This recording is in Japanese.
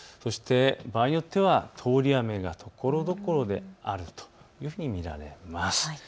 場合によっては通り雨がところどころであるというふうに見られます。